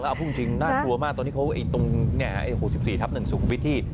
เอาพูดจริงน่ากลัวมากตอนที่เขาตรง๖๔ทับ๑สุขุมวิทย์ที่